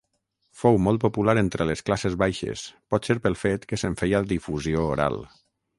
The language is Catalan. Fou molt popular entre les classes baixes potser pel fet que se'n feia difusió oral.